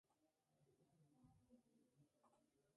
Las flores cuelgan hacia abajo.